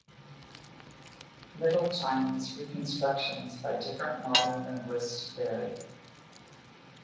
Middle Chinese reconstructions by different modern linguists vary.